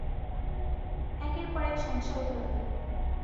একের পর এক সমস্যা হতে লাগল।